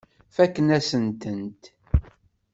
Fakken-asen-tent.